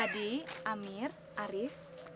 jadi amir arief